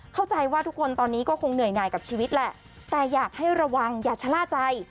เข้าใจว่าทุกคนตอนนี้ก็คงเหนื่อยหน่ายกับชีวิตแหละแต่อยากให้ระวังอย่าชะล่าใจ